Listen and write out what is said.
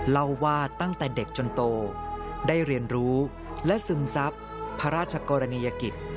เล่าว่าตั้งแต่เด็กจนโตได้เรียนรู้และซึมซับพระราชกรณียกิจ